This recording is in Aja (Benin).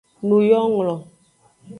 Nuyonglo.